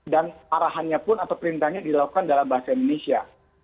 dan arahannya pun atau perintahnya dilakukan dalam bahasa indonesia